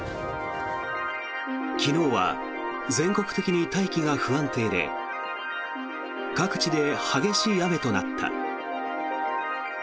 昨日は全国的に大気が不安定で各地で激しい雨となった。